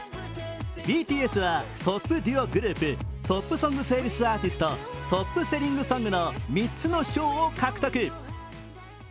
ＢＴＳはトップ・デュオ／グループトップ・ソング・セールス・アーティスト、トップ・セリング・ソングの３つの賞を獲得。